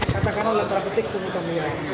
katakanlah latar petik tuhan